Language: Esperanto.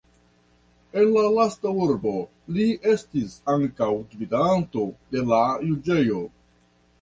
En la lasta urbo li estis ankaŭ gvidanto de la juĝejo.